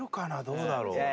どうだろう？